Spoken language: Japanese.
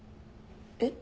えっ？